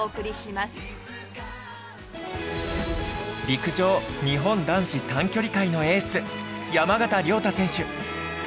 陸上日本男子短距離界のエース山縣亮太選手。